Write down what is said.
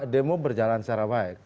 demo berjalan secara baik